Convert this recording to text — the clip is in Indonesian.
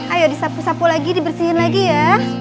ayo disapu sapu lagi dibersihin lagi ya